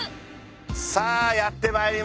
さあやってまいりました。